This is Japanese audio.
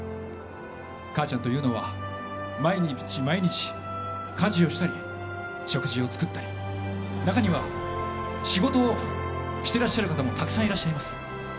母ちゃんというのは毎日毎日、家事をしたり食事を作ったり中には仕事をしてらっしゃる方もたくさんいらっしゃいます。